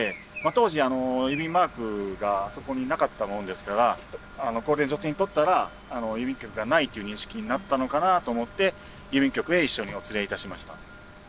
当時郵便マークがあそこになかったものですから高齢の女性にとったら郵便局がないという認識になったのかなと思って郵便局へ一緒にお連れいたしました。